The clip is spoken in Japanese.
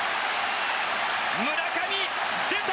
村上出た！